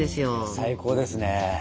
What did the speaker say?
最高ですね。